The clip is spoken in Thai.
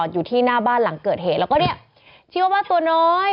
อยู่ที่หน้าบ้านหลังเกิดเหตุแล้วก็เนี่ยชื่อว่าตัวน้อย